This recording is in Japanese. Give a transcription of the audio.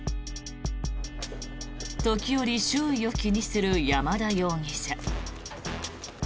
時折、周囲を気にする山田容疑者。